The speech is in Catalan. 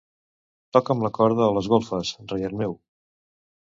Toca'm la corda a les golfes, reiet meu.